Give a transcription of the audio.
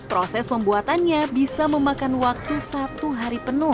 proses pembuatannya bisa memakan waktu satu hari penuh